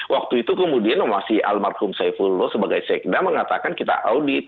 waktu itu kemudian masih almarhum saifullah sebagai sekda mengatakan kita audit